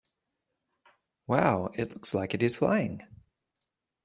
Wow! It looks like it is flying!